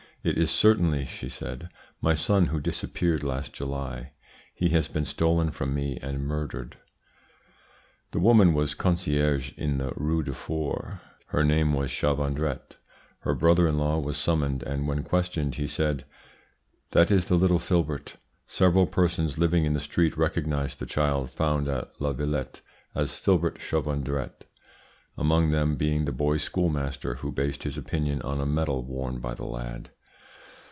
`It is certainly,' she said, `my son who disappeared last July. He has been stolen from me and murdered.' "The woman was concierge in the Rue du Four; her name was Chavandret. Her brother in law was summoned, and when questioned he said, `That is the little Filibert.' Several persons living in the street recognised the child found at La Villette as Filibert Chavandret, among them being the boy's schoolmaster, who based his opinion on a medal worn by the lad.